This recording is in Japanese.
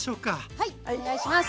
はいお願いします。